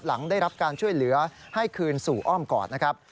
หลังได้รับการช่วยเหลือให้คืนสู่อ้อมกอดนะครับ